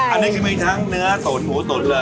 อันนี้คือมีทั้งเนื้อตุ๋นหมูตุ๋นเลย